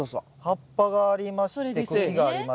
葉っぱがありまして茎がありまして。